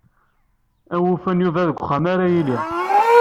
Awufan Yuba deg uxxam ara yili.